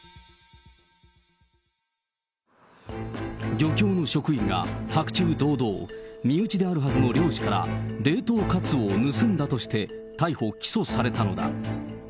漁協の職員が、白昼堂々、身内であるはずの漁師から冷凍カツオを盗んだとして、逮捕・起訴されたのだ。